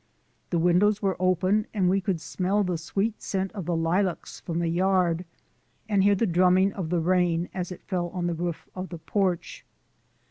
The windows were open, and we could smell the sweet scent of the lilacs from the yard and hear the drumming of the rain as it fell on the roof of the porch.